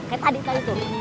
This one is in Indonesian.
kayak tadi tadi tuh